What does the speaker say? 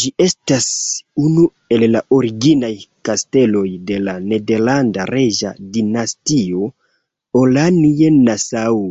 Ĝi estas unu el la originaj kasteloj de la nederlanda reĝa dinastio Oranje-Nassau.